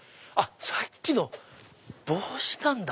さっきの帽子なんだ。